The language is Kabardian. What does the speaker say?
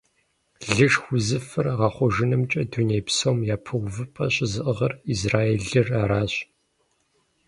Лышх узыфэр гъэхъужынымкӀэ дуней псом япэ увыпӀэр щызыӀыгъыр Израилыр аращ.